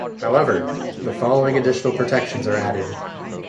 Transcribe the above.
However, the following additional protections are added.